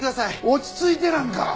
落ち着いてなんか！